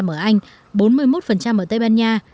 bốn mươi ba ở anh bốn mươi một ở tây ban nha